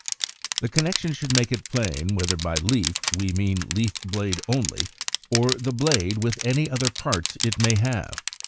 The connection should make it plain whether by leaf we mean leaf blade only, or the blade with any other parts it may have.